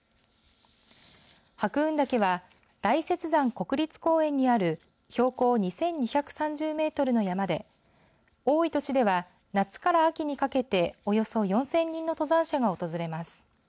白雲岳は大雪山国立公園にある標高２２３０メートルの山で多い年では夏から秋にかけておよそ４０００人の登山者が訪れます。